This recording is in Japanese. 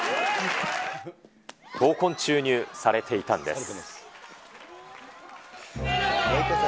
闘魂注入されていたんです。